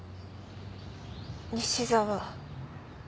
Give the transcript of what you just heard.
西沢？